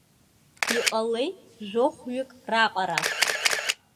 Иҟалеит жәохәҩык раҟара.